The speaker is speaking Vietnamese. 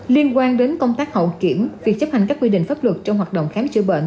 liên quan đến công tác hậu kiểm việc chấp hành các quy định pháp luật trong hoạt động khám chữa bệnh